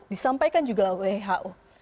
disampaikan juga who